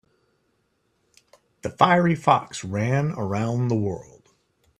The fiery fox ran around the world.